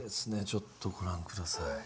ちょっとご覧下さい。